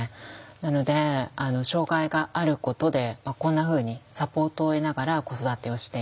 なので障害があることでこんなふうにサポートを得ながら子育てをしていく。